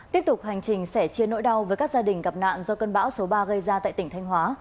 tiếp tục hành trình sẻ chia nỗi đau với các gia đình gặp nạn do cơn bão số ba gây ra tại tỉnh thanh hóa